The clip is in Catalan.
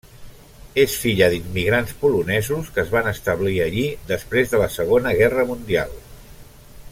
És filla d'immigrants polonesos que es van establir allí després de la Segona Guerra Mundial.